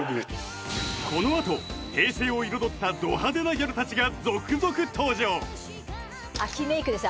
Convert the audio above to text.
このあと平成を彩ったド派手なギャルたちが続々登場秋メイクですよ